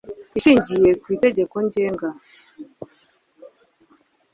Ishingiye ku Itegeko Ngenga